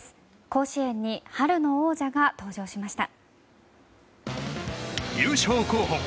甲子園に春の王者が登場しました。